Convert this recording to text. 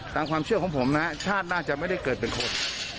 ตามความเชื่อของผมนะชาติน่าจะไม่ได้เกิดเป็นคน